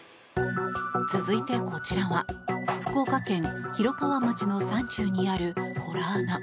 続いて、こちらは福岡県広川町の山中にあるほら穴。